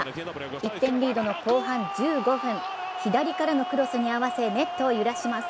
１点リードの後半１５分、左からのクロスに合わせネットを揺らします。